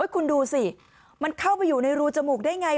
คุณดูสิมันเข้าไปอยู่ในรูจมูกได้ไง